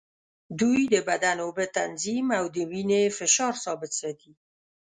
دوی د بدن اوبه تنظیم او د وینې فشار ثابت ساتي.